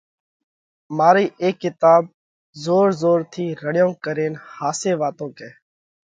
مارئِي اي ڪِتاٻ زور زور ٿِي رڙيون ڪرينَ ۿاسي واتون ڪئه